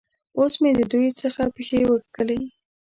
اوس مې د دوی څخه پښې وکښلې.